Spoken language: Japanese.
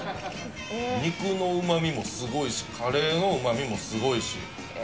肉のうまみもすごいしカレーのうまみもすごいし。